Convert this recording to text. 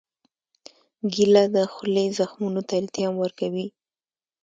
کېله د خولې زخمونو ته التیام ورکوي.